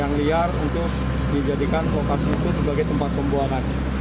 yang liar untuk dijadikan lokasi itu sebagai tempat pembuangan